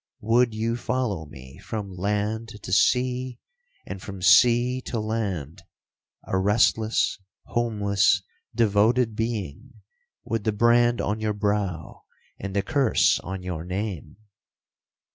Would you follow me from land to sea, and from sea to land,—a restless, homeless, devoted being,—with the brand on your brow, and the curse on your name?